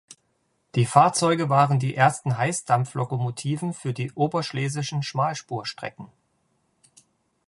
Die Fahrzeuge waren die ersten Heißdampflokomotiven für die oberschlesischen Schmalspurstrecken.